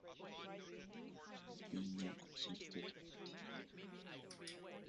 There has been no official statement.